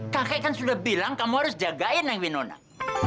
kakek kan sudah bilang kamu harus jagain nang wino nak